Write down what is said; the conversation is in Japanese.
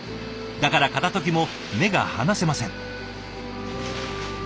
だから片ときも目が離せません。